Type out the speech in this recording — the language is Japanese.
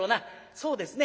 「そうですね。